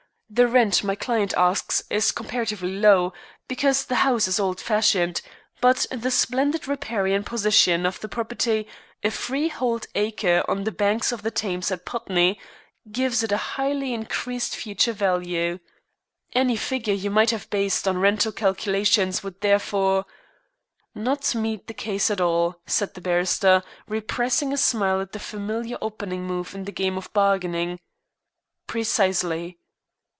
The rent my client asks is comparatively low, because the house is old fashioned, but the splendid riparian position of the property, a free hold acre on the banks of the Thames at Putney, gives it a highly increased future value. Any figure you may have based on a rental calculation would therefore " "Not meet the case at all," said the barrister, repressing a smile at the familiar opening move in the game of bargaining. "Precisely."